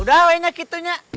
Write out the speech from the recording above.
udah uangnya gitu nya